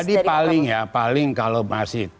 jadi paling ya paling kalau masih